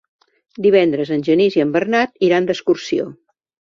Divendres en Genís i en Bernat iran d'excursió.